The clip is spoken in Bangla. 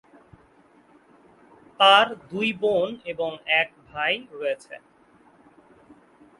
তার দুই বোন এবং এক ভাই রয়েছে।